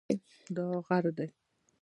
دا غر دی